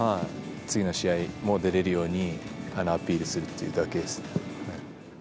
次の試合も出れるように、アピールするっていうだけですね。